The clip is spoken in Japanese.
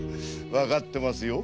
わかってますよ。